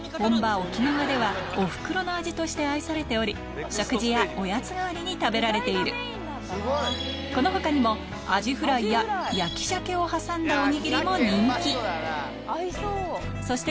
沖縄ではおふくろの味として愛されており食事やおやつ代わりに食べられているこの他にもアジフライや焼き鮭を挟んだおにぎりも人気そして